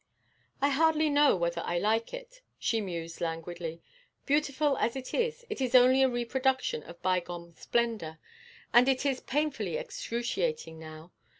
'I hardly know whether I like it,' she mused languidly; 'beautiful as it is, it is only a reproduction of bygone splendour, and it is painfully excruciating now.